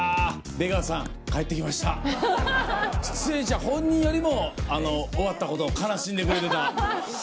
出演者本人よりも終わったことを悲しんでくれてた。